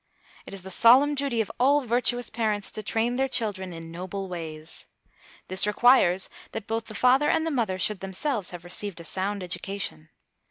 It is the solemn duty of all virtuous parents to train their children in noble ways. This requires that both the father and the mother should themselves have received a sound education.